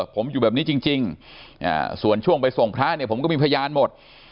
ผมอยู่แบบนี้จริงส่วนช่วงไปส่งพระเนี่ยผมก็มีพยานหมด